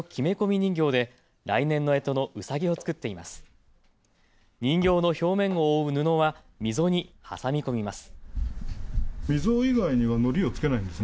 人形の表面を覆う布は溝に挟み込みます。